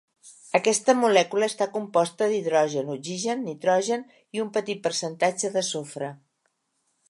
Aquesta molècula està composta d'hidrogen, oxigen, nitrogen i un petit percentatge de sofre.